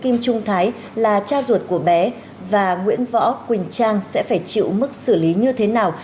kim trung thái là cha ruột của bé và nguyễn võ quỳnh trang sẽ phải chịu mức xử lý như thế nào